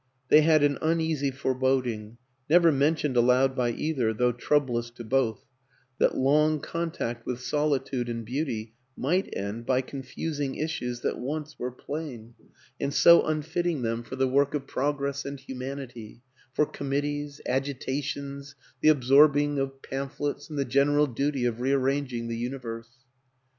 They had an uneasy foreboding never mentioned aloud by either, though troublous to both that long contact with solitude and beauty might end by confusing issues that once were plain, and so unfitting them for the work of WILLIAM AN ENGLISHMAN 45 Progress and Humanity for committees, agi tations, the absorbing of pamphlets and the gen eral duty of rearranging the universe.